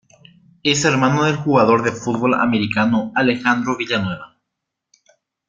Es hermano del jugador de fútbol americano Alejandro Villanueva.